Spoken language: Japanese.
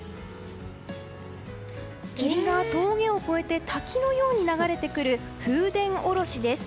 霧が峠を越えて滝のように流れてくる風伝おろしです。